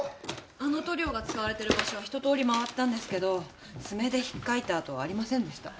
あの塗料が使われてる場所は一通り回ったんですけどつめで引っかいた跡はありませんでした。